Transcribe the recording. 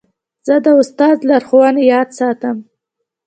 زه د استاد لارښوونې یاد ساتم.